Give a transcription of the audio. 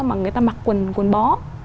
mà người ta mặc quần bó